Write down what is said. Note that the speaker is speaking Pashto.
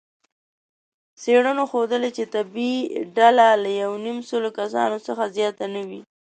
څېړنو ښودلې، چې طبیعي ډله له یونیمسلو کسانو څخه زیاته نه وي.